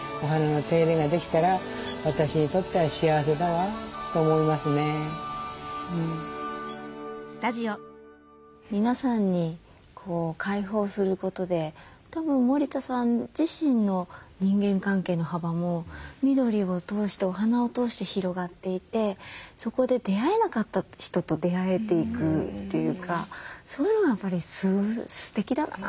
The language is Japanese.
なるべく元気でいつまでもね皆さんに開放することでたぶん森田さん自身の人間関係の幅も緑を通してお花を通して広がっていてそこで出会えなかった人と出会えていくというかそういうのがやっぱりすてきだなって思いました。